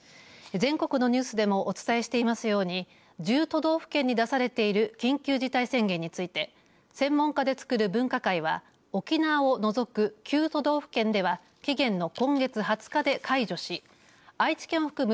全国のニュースでもお伝えしていますように１０都道府県に出されている緊急事態宣言について専門家でつくる分科会は沖縄を除く９都道府県では期限の今月２０日で解除し愛知県を含む